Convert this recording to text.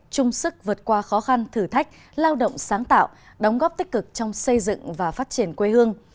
chung sức vượt qua khó khăn thử thách lao động sáng tạo đóng góp tích cực trong xây dựng và phát triển quê hương